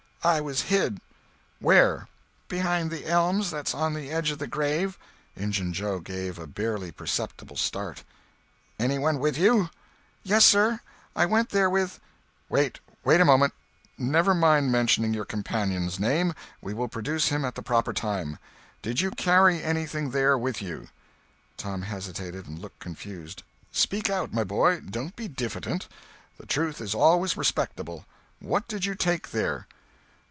"I was hid." "Where?" "Behind the elms that's on the edge of the grave." Injun Joe gave a barely perceptible start. "Any one with you?" "Yes, sir. I went there with—" "Wait—wait a moment. Never mind mentioning your companion's name. We will produce him at the proper time. Did you carry anything there with you." Tom hesitated and looked confused. "Speak out, my boy—don't be diffident. The truth is always respectable. What did you take there?"